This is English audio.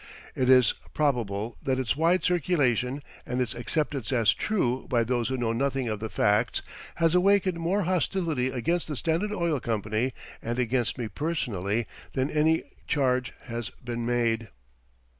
It is probable that its wide circulation and its acceptance as true by those who know nothing of the facts has awakened more hostility against the Standard Oil Company and against me personally than any charge which has been made.